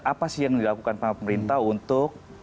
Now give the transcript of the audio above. apa sih yang dilakukan pemerintah untuk